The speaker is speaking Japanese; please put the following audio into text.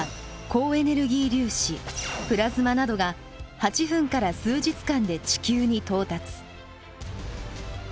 高エネルギー粒子プラズマなどが８分から数日間で地球に到達。